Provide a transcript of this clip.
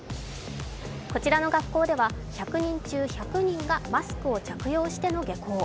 こちらの学校では１００人中１００人がマスクを着用しての下校。